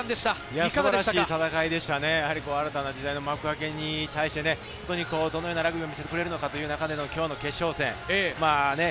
素晴らしい戦いでしたね、新たな時代の幕開けにふさわしいどのようなラグビーを見せてくれるのかという決勝戦。